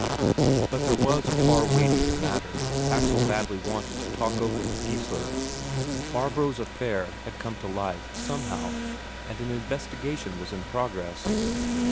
But there was a far weightier matter Axel badly wanted to talk over with Geissler; Barbro's affair had come to light, somehow, and an investigation was in progress.